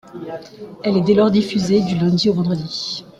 Elle est dès lors diffusée du lundi au vendredi.